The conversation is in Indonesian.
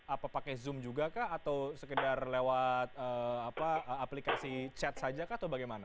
apa pakai zoom juga kah atau sekedar lewat aplikasi chat saja kah atau bagaimana